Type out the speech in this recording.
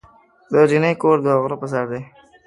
د جینۍ کور د غره په سر دی.